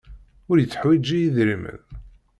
Ur yetteḥwiji idrimen.